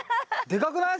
でかくない？